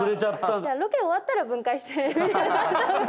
じゃあロケ終わったら分解して。